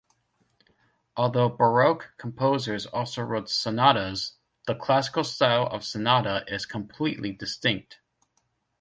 Although Baroque composers also wrote sonatas, the Classical style of sonata is completely distinct.